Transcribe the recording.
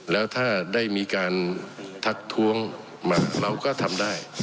แล้วถ้าได้มีการทักท้วงมาเราก็ทำได้